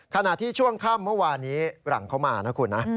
ขณะที่ช่วงค่ำเมื่อวานนี้หลังเขามานะคุณนะ